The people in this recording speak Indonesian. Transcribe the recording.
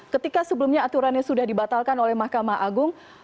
ketika sebelumnya aturannya sudah dibatalkan oleh mahkamah agung